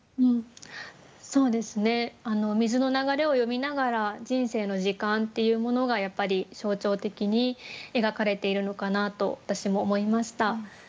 そうですね水の流れを詠みながら人生の時間っていうものがやっぱり象徴的に描かれているのかなと私も思いました。